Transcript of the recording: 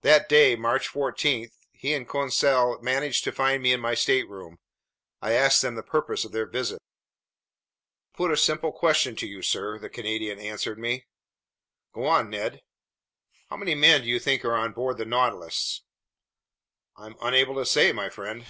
That day, March 14, he and Conseil managed to find me in my stateroom. I asked them the purpose of their visit. "To put a simple question to you, sir," the Canadian answered me. "Go on, Ned." "How many men do you think are on board the Nautilus?" "I'm unable to say, my friend."